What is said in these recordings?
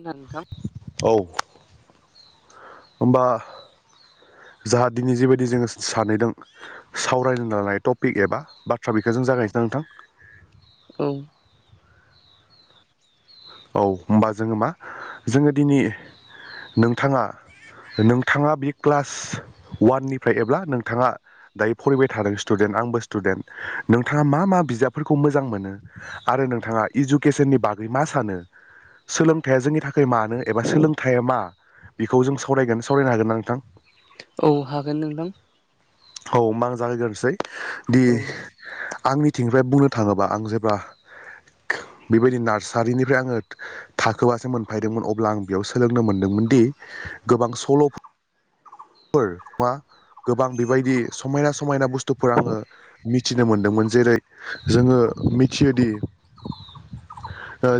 खोना नोंथां। औ होमबा जाहा दिनै जेबायदि जोङो सानैदों सावरायनो लानाय टपिक एबा बाथ्रा बेखौ जों जागायसैदां नोंथां? औ औ होमबा जोङो मा जोङो दिनै नोंथाङा नोंथाङा बे क्लास वाननिफ्राय एब्ला नोंथाङा दायो फरायबाय थादों स्टुडेन्ट आंबो स्टुडेन्ट नोंथाङा मा मा बिजाबफोरखौ मोजां मोनो आरो नोंथाङा इडुकेसननि बागै मा सानो सोलोंथाइया जोंनि थाखाय मानो एबा सोलोंथाइया मा बेखौ जों सावरायगोन सावरायनो हागोन ना नोंथां औ हागोन नोंथां औ आ जागैग्रोसै दि औ [unintelligible] आंनिथिंनिफ्राय बुंनो थाङोबा आं जेब्ला बेबायदि नार्सारिनिफ्राय आङो थाखोबासो मोनफैदोंमोन अब्ला आं बेयाव सोलोंनो मोनदोंमोन दि गोबां सल'फोर फोर मा गोबां बेबायदि समायना समायना बुस्थुफोर आङो मिथिनो मोनदोंमोन जेरै जोङो मिथियोदि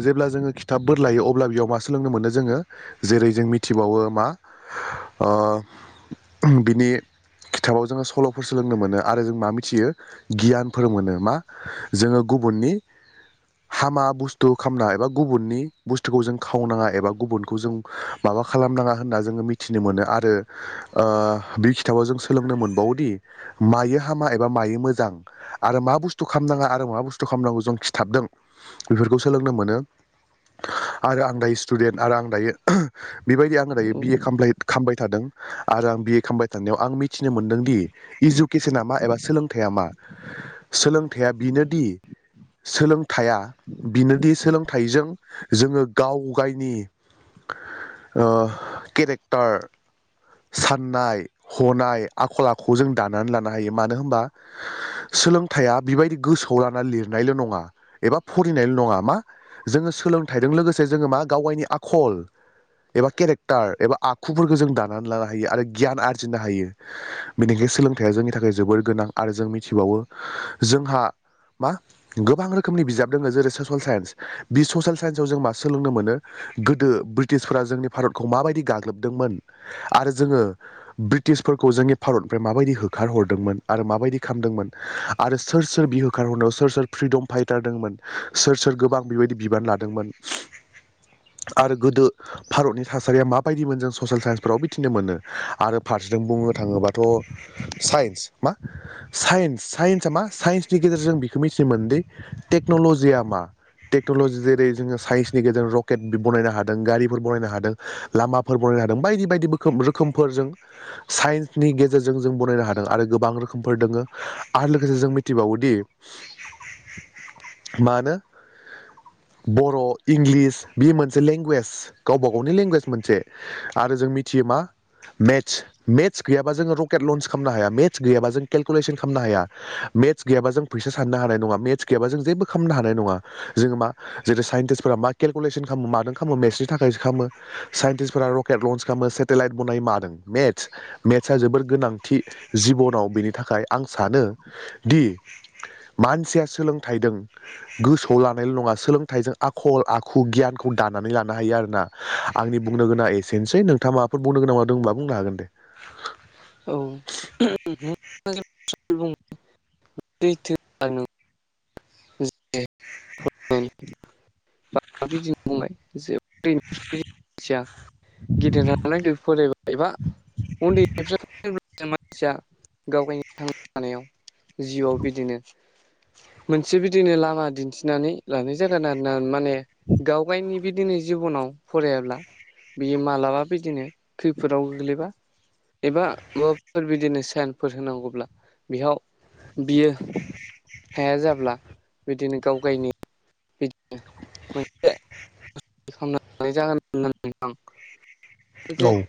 जेब्ला जोङो खिथाब बोर लायो अब्ला बेयाव मासो लोंनो मोनो जोङो जेरै जों मिथिबावो मा बिनि खिथाबाव जोङो सल'फोर सोलोंनो मोनो आरो जों मा मिथियो गियानफोर मोनो मा जोङो गुबुननि हामा बुस्थु खालामामनाा एबा गुबुननि बुस्थुखौ जों खावनाङा एबा गुबुनखौ जों माबा खालामनाङा होनना जोङो मिथिनो मोनो आरो बे खिथाबाव जों सोलोंनो मोनबावोदि मायो हामा एबा मायो मोजां आरो मा बुस्थु खालामनाङा आरो मा बुस्थु खालामनांगौ जों खिथाबदों बेफोरखौ सोलोंनो मोनो आरो आं दायो स्टुदेन्ट आरो आं दायो बेबायदि आङो दायो औ बिए काम खालामबाय थादों आरो आं बिए खालामामबाय थानायाव आं मिथिनो मोनदों दि इडुकेसना मा एबा सोलोंथाइया मा सोलोंथाइया बिनोदि सोलोंथाइया बिनोदि सोलोंथाइजों जोङो गाव गायनि केरेक्टार साननाय हनाय आखल आखु जों दानानै लानो हायो मानो होनबा सोलोंथाइया बेबायदि गोसोआव लाना लिरनायल' नङा एबा फरायनायल' नङा मा जोङो सोलोंथाइजों लोगोसे जोङो मा गाव गायनि आखल एबा केरेक्टार एबा आखुफोरखौ जों दानानै लानो हायो आरो गियान आरजिनो हायो। बेनिखायनो सोलोंथाइया जोंनि थाखाय जोबोर गोनां आरो जों मिथिबावो जोंहा मा गोबां रोखोमनि बिजाब दङ जेरै ससियेल साइन्स। बि ससियेल साइन्सआव जों मा सोलोंनो मोनो गोदो ब्रिटिसफोरा जोंनि भारतखौ माबायदि गाग्लोबदोंमोन आरो जोङो ब्रिटिशफोरखौ जोंनि भारतनिफ्राय माबायदि होखारहरदोंमोन आरो माबायदि खालामदोंमोन आरो सोर सोर बिहो खारहरनायाव सोर सोर फ्रिदम फाइटार दंमोन सोर सोर गोबां बेबायदि बिबान लादोंमोन आरो गोदो भारतनि थासारिया माबायदि मोन जों ससियेल साइन्स फोराव बिथिनो मोनो आरो फार्सजों बुंनो थाङोबाथ' साइन्स मा साइन्स साइन्सआ मा साइन्सनि गेजेरजों बिखौ मिथिनोमोन दि टेक्न'ल'जिया मा टेक्न'लजि जेरै जोङो साइन्सनि गेजेरजों रकेट बनायनो हादों गारिफोर बनायनो हादों। लामाफोर बानायनो हादों बायदि बायदि रोखोमफोरजों साइन्सनि गेजेरजों जों बनायनो हादों आरो गोबां रोखोमफोर दोङो आरो लोगोसे जों मिथिबावोदि मा होनो बर' इंलिस बे मोनसे लेंगुवेज। गावबा गावनि लेंगुवेज मोनसे आरो जों मिथियो मा मेट्स मेट्स गैयाबा जोङो रकेट लन्स खालामनो हाया मेट्स गैयाबा जों केलकुलेसन खालामनो हाया। मेट्स गैयाबा जों फैसा साननो हानाय नङा मेट्स गैयाबा जों जेबो खालामनो हानाय नङा जोङो मा जेरै साइन्टिस्टफोरा मा केलकुलेसन खालामो मादों खालामो मेथ्सनि थाखायसो खालामो साइन्टिस्टफोरा रकेट लन्स खालामो सेटेलाइट बनाय मादों मेट्स। मेट्सआ जोबोर गोनांथि जिबनाव बेनि थाखाय आं सानो दि मानसिया सोलोंथाइदों गोसोआव लानायल' नङा सोलोंथाइजों आखल आखु गियानखौ दानानै लानो हायो आरोना। आंनि बुंनो गोनाङा एसेनोसै नोंथाङा माबाफोर बुंनो गोनां दोंबा बुंनो हागोन दे। औ [unintelligible] बिदि [unintelligible] एबा उन्दैनिफ्राय मानसिया गावगायनो थांना थानायाव जिउआव बिदिनो मोनसे बिदिनो लामा दिन्थिनानै लानाय जागोन आरो ना माने गावगायनि बि दिनै जिबनाव फरायाब्ला बियो मालाबा बिदिनो खैफोदाव गोग्लैबा एबा माबाफोर बिदिनो साइेनफोर होनांगौब्ला बेयाव बियो हाया जाब्ला बिदिनो गाव गायनो बिदिनो मोनसे खालाम जागोन होननानै आं औ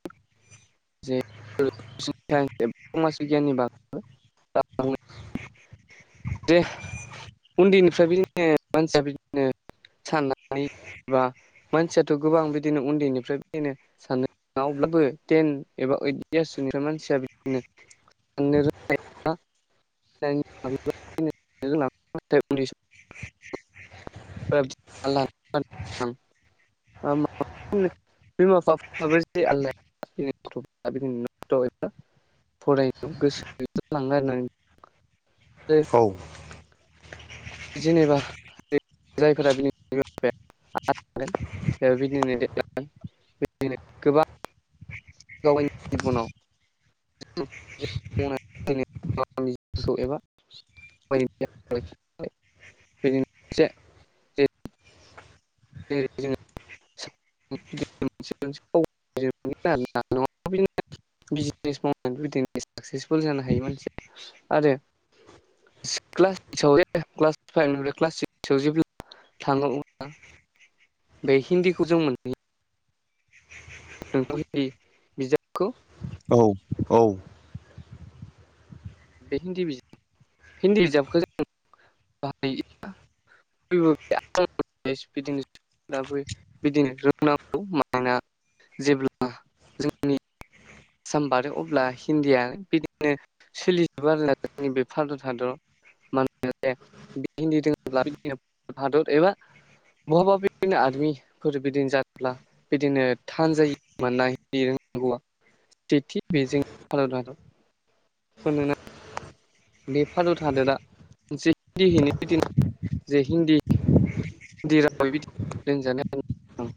[unintelligible] [unintelligible] जे समास बिगियाननि बा [unintelligible] दे उन्दैनिफ्राय बिदिनो मानसिया बिदिनो साननाय बा मानसियाथ' गोबां बिदिनो उन्दैनिफ्राय बेदिनो [unintelligible] अब्लाबो टेन एबा ओइट यार्ससोनिफ्राय मानसिया बिदिनो साननो रो [unintelligible] [unintelligible] बिमा बिफाफ्राबो [unintelligible] फरायनायाव गोसो [unintelligible] औ जेनेबा जायफोरा [unintelligible] [unintelligible] गोबां गावगायनि जिबनाव [unintelligible] [unintelligible] एबा [unintelligible] [unintelligible] [unintelligible] [unintelligible] साकसेसफुल जानो हायो मानसिया आरो [unintelligible] [unintelligible] बे हिन्दीखौ जों मोनबोयो। [unintelligible] बिजाबखौ औ औ। बे हिन्दी बिजाब हिन्दी बिजाबखो जों [unintelligible] [unintelligible] दा बै बिदिनो रोंनांगौ मानोना जेब्ला जोंनि [inaudible] आसाम बारो अब्ला हिन्दीया बिदिनो सोलि एबार जोंनि बे भारत हादर मोेनोना बे हिन्दी दङब्ला बिदिनो हादर एबा बहाबा बिदिनो आरमिफोर बिदिनो जायोब्ला बिदिनो थान जायो [unintelligible] [unintelligible] बेजों भारत हादर [unintelligible] बे भारत हादरा [unintelligible] जे हिन्दी [unintelligible]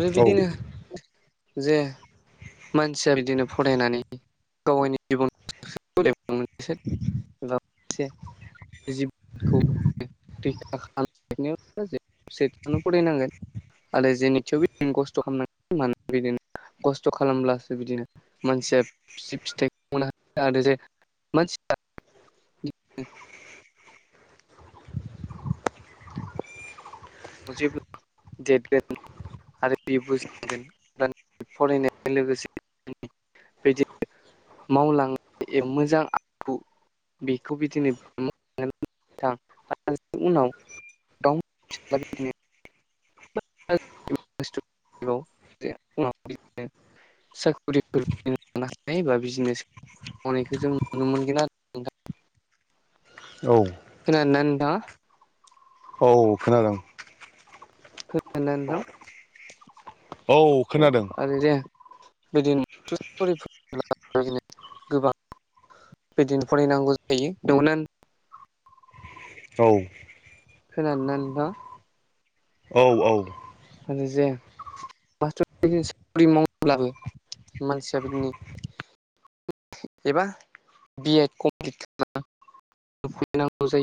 आरो औ बिदिनो जे मानसिया बिदिनो फरायनानै गावगायनि जिबन [unintelligible] जिबखौ [unintelligible] आरो जेनिथिंबो बिदिनो खस्थ' खालामनां [unintelligible] खस्थ' खालामब्लासो बिदिनो [unintelligible] मानसिया [unintelligible] [unintelligible] मावलां [unintelligible] मोजां आखु बेखौ बिदिनो [unintelligible] [unintelligible] [unintelligible] [unintelligible] बा बिजनेस [unintelligible] लानायखौ जों नुनो मोनगोन आरो नोंथां। औ। खोनादोंना नोंथाङा? औ खोनादों। खोनादोंना नोंथां। औ [unintelligible] गोबां बिदिनो फरायनांगौ जायो बेवनो औ। खोनादोंना नोंथाङा? औ औ। आरो जे [unintelligible] मानसिया बिदिनो [unintelligible]